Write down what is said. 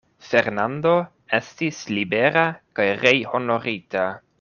Fernando estis libera kaj rehonorita.